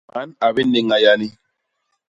Man a binéña yani.